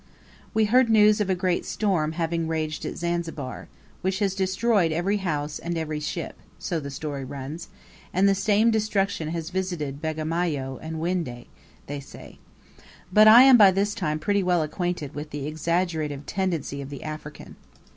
We heard news of a great storm having raged at Zanzibar, which has destroyed every house and every ship, so the story runs; and the same destruction has visited Bagamoyo and Whinde, they say. But I am by this time pretty well acquainted with the exaggerative tendency of the African.